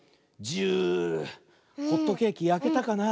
ジューホットケーキやけたかな。